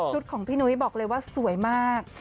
ของพี่นุ้ยบอกเลยว่าสวยมาก